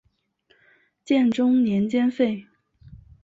建中年间废。